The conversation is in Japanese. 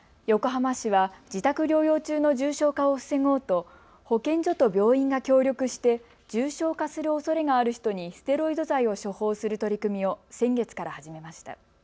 横浜市は自宅療養中の重症化を防ごうと保健所と病院が協力して重症化するおそれがある人にステロイド剤を処方する取り組みを先月から始めました。